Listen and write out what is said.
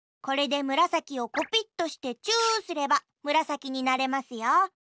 これでむらさきをコピットしてチューすればむらさきになれますよ。